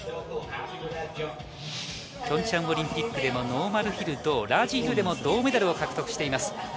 ピョンチャンオリンピックノーマルヒルとラージヒルでも銅メダルを獲得しています。